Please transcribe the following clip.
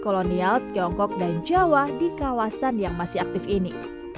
kami juga bisa menikmati kolonial tiongkok dan jawa di kawasan yang masih aktif ini